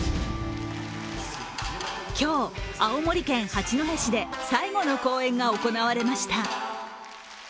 今日、青森県八戸市で最後の公演が行われました。